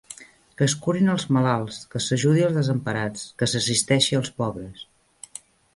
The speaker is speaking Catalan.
Que es curin els malalts, que s'ajudi als desemparats, que s'assisteixi als pobres.